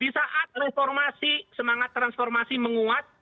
di saat reformasi semangat transformasi menguat